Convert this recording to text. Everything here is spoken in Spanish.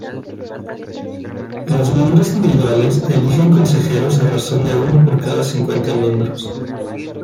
Los miembros individuales eligen consejeros a razón de uno por cada cincuenta miembros.